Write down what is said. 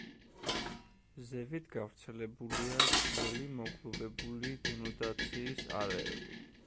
ზევით გავრცელებულია ძველი მოგლუვებული დენუდაციის არეები.